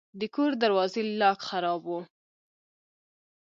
د کور د دروازې لاک خراب و.